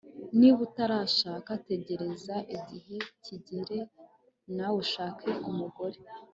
niba utarashaka tegereza igihe kigere nawe ushake umugore